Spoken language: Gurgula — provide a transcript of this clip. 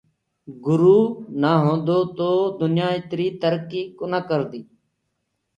گُرو نآ هوندو تو دنيآ اِتري ترڪي بي ڪونآ ڪردي۔